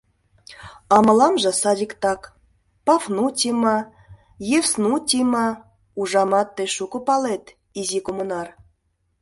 — А мыламже садиктак: Пафнутий ма, Евснутий ма— Ужамат, тый шуко палет, изи коммунар.